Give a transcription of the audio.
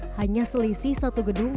hanya selisih satu gedung